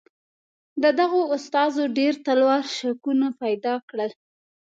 د دغو استازو ډېر تلوار شکونه پیدا کړل.